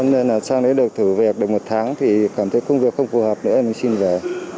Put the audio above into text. nên là sang đấy được thử việc được một tháng thì cảm thấy công việc không phù hợp nữa mình xin về